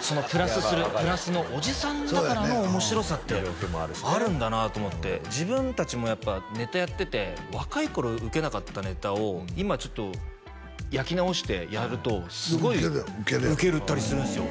そのプラスするプラスのおじさんだからの面白さってあるんだなと思って自分達もやっぱネタやってて若い頃ウケなかったネタを今ちょっと焼き直してやるとすごいウケたりするんすよ